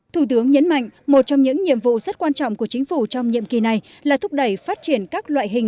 thủ tướng nhấn mạnh một trong những nhiệm vụ rất quan trọng của chính phủ trong nhiệm kỳ này là thúc đẩy phát triển các loại hình